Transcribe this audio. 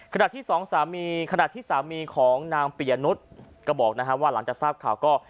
ขณะที่สองสามีขณะที่สามีของนางปิยนุษย์ก็บอกนะฮะว่าหลังจากทราบข่าวก็